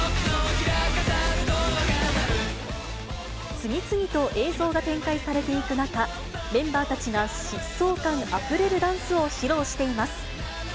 次々と映像が展開されていく中、メンバーたちが疾走感あふれるダンスを披露しています。